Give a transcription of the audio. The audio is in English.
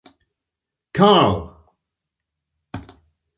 Carl!